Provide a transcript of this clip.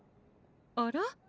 あら？